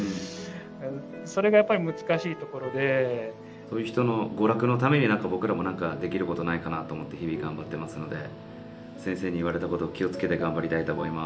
そういう人の娯楽のために僕らも何かできることないかなと思って日々頑張ってますので先生に言われたことを気を付けて頑張りたいと思います。